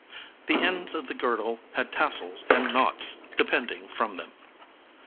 The ends of the girdle had tassels and knots depending from them.